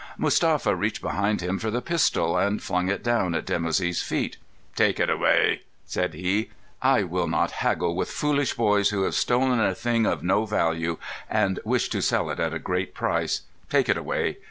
Mustapha reached behind him for the pistol, and flung it down at Dimoussi's feet. "Take it away!" said he. "I will not haggle with foolish boys who have stolen a thing of no value, and wish to sell it at a great price. Take it away!